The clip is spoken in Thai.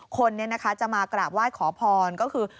คนจะมากราบไหว้ขอพรก็คือ